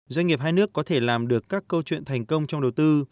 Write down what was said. doanh nghiệp hai nước có thể làm được các câu chuyện thành công trong đầu tư